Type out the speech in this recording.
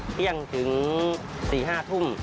เที่ยงถึง๔๕ทุ่ม